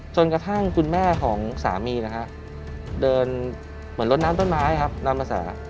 จนกระทั่งคุณแม่ของสามีนะฮะเดินเหมือนรถน้ำต้นไม้ครับตามภาษา